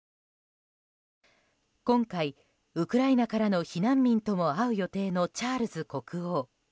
今回、ウクライナからの避難民とも会う予定のチャールズ国王。